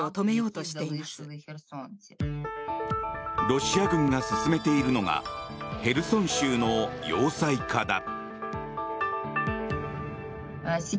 ロシア軍が進めているのがヘルソン州の要塞化だ。